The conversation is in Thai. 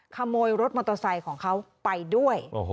ขโมยรถมอเตอร์ไซค์ของเขาไปด้วย